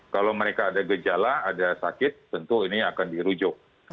kalau mereka ada gejala ada sakit tentu ini akan dirujuk